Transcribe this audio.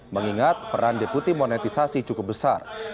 mengingat peran deputi monetisasi cukup besar